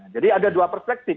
jadi ada dua perspektif